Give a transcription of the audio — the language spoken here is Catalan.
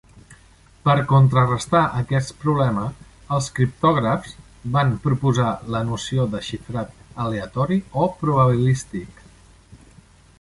Per contrarestar aquest problema, els criptògrafs van proposar la noció de xifrat "aleatori" o probabilístic.